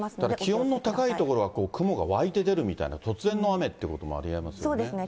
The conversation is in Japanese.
ただ気温の高い所は、雲が湧いて出るみたいな、突然の雨っていうこともありえますよね。